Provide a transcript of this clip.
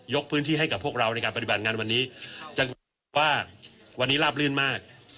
พื้นที่ให้กับพวกเราในการปฏิบัติงานวันนี้จังว่าวันนี้ลาบลื่นมาก